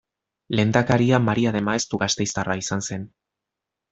Lehendakaria Maria de Maeztu gasteiztarra izan zen.